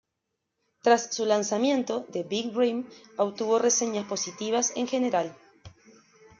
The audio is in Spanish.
Tras su lanzamiento, "The Big Dream" obtuvo reseñas positivas en general.